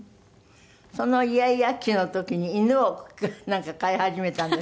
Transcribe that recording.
そのイヤイヤ期の時に犬を飼い始めたんですって？